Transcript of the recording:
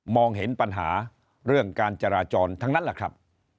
เห็นปัญหาเรื่องการจราจรทั้งนั้นแหละครับ